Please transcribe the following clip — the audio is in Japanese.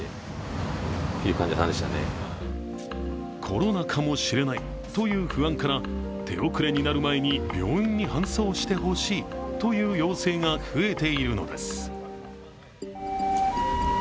コロナかもしれないという不安から、手遅れになる前に病院に搬送してほしいという要請が増えているのです。